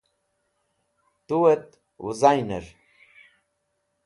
Tuet wuzainer